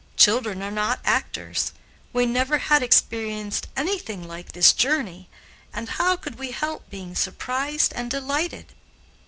Children are not actors. We never had experienced anything like this journey, and how could we help being surprised and delighted?